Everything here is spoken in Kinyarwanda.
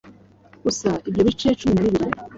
Gusa ibyo bice cumi nabibri